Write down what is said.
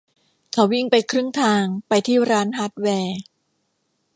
เขาวิ่งไปครึ่งทางไปที่ร้านฮาร์ดแวร์